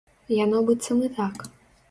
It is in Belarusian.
Яно быццам і так.